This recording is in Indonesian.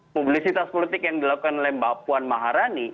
publisitas politik yang dilakukan oleh mbak puan maharani